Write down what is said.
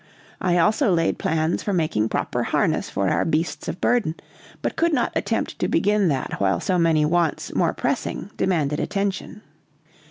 I also laid plans for making proper harness for our beasts of burden, but could not attempt to begin that while so many wants more pressing demanded attention.